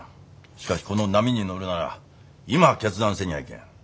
しかしこの波に乗るなら今決断せにゃあいけん。